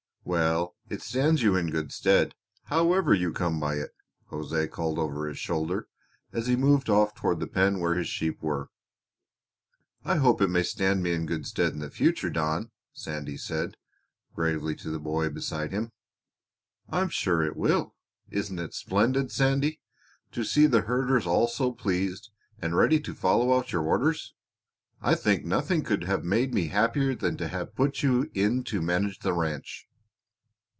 "Well, it stands you in good stead, however you come by it," José called over his shoulder as he moved off toward the pen where his sheep were. "I hope it may stand me in good stead in the future, Don," Sandy said gravely to the boy beside him. "I am sure it will. Isn't it splendid, Sandy, to see the herders all so pleased and ready to follow out your orders? I think nothing could have made me happier than to have you put in to manage the ranch."